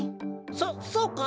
そそうか？